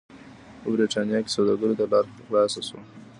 په برېټانیا کې سوداګرو ته لار خلاصه شوه.